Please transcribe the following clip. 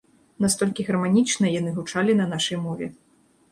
Настолькі гарманічна яны гучалі на нашай мове.